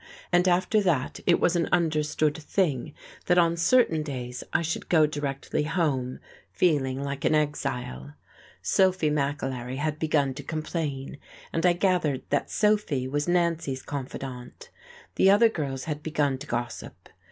And after that it was an understood thing that on certain days I should go directly home, feeling like an exile. Sophy McAlery had begun to complain: and I gathered that Sophy was Nancy's confidante. The other girls had begun to gossip.